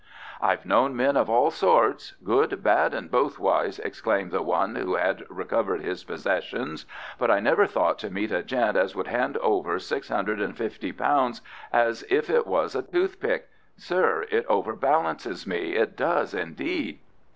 "I've known men of all sorts, good, bad, and bothwise," exclaimed the one who had recovered his possessions; "but I never thought to meet a gent as would hand over six hundred and fifty pounds as if it was a toothpick. Sir, it overbalances me; it does, indeed."